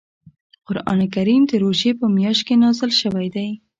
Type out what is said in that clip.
قران کریم د روژې په میاشت کې نازل شوی دی .